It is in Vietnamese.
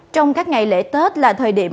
trong các ngày lễ tết là thời điểm